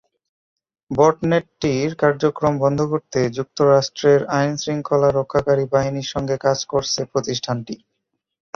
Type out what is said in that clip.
বটনেটটির কার্যক্রম বন্ধ করতে যুক্তরাষ্ট্রের আইন-শৃঙ্খলা রক্ষাকারী বাহিনীর সঙ্গে কাজ করছে প্রতিষ্ঠানটি।